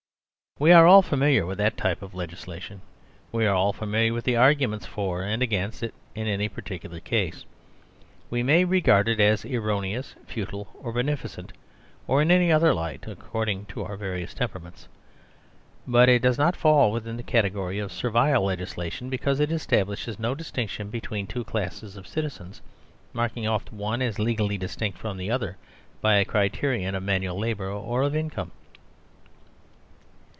We are all familiar with that type of legislation. Weareall familiar with the arguments for and against it in any particular case. We may regard it as oner ous, futile, or beneficent, or in any other light, accord ing to our various temperaments. But it does not fall within the category of servile legislation, because it establishes no distinction between two classes of citi zens, marking off the one as legally distinct from the other by a criterion of manual labour or of income.